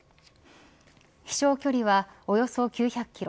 飛翔距離は、およそ９００キロ